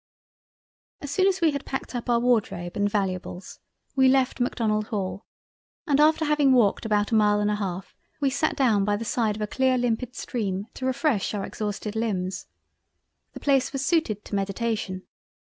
As soon as we had packed up our wardrobe and valuables, we left Macdonald Hall, and after having walked about a mile and a half we sate down by the side of a clear limpid stream to refresh our exhausted limbs. The place was suited to meditation.